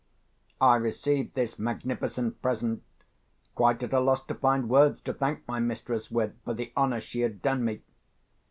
I received this magnificent present quite at a loss to find words to thank my mistress with for the honour she had done me.